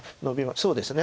そうですね。